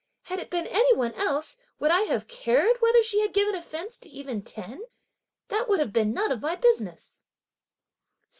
Had it been any one else, would I have cared whether she had given offence to even ten; that would have been none of my business!"